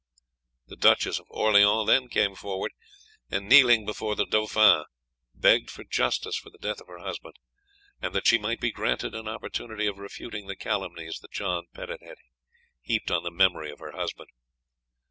The Duchess of Orleans then came forward, and kneeling before the dauphin, begged for justice for the death of her husband, and that she might be granted an opportunity of refuting the calumnies that John Petit had heaped on the memory of her husband.